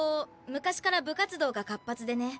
昔から部活動が活発でね。